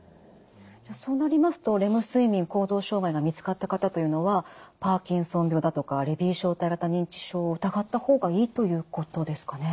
そうなりますとレム睡眠行動障害が見つかった方というのはパーキンソン病だとかレビー小体型認知症を疑った方がいいということですかね？